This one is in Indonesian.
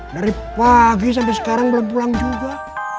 dari pagi sampai sekarang belum pulang juga